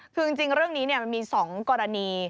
คือจริงเรื่องนี้มันมี๒กรณี